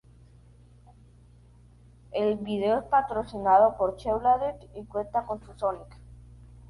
El vídeo es patrocinado por Chevrolet, y cuenta con su Sonic.